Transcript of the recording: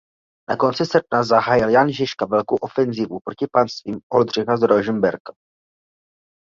Na konci srpna zahájil Jan Žižka velkou ofenzívu proti panstvím Oldřicha z Rožmberka.